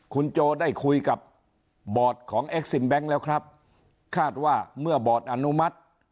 คุณโจได้คุยกับบอร์ดของเอ็กซิมแบงค์แล้วครับคาดว่าเมื่อบอร์ดอนุมัติ